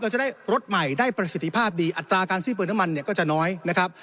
จะได้รถใหม่ได้ประสิทธิภาพดีอัตราการซี่เปิดน้ำมันเนี่ยก็จะน้อยนะครับ